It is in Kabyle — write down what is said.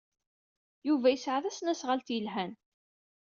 Yuba yesɛa tasnasɣalt yelhan.